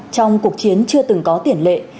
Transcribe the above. trong cuộc chiến chưa từng có tiển lệ